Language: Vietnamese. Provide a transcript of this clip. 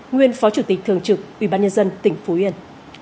nguyên phó chủ tịch thường trực ubnd tỉnh phú yên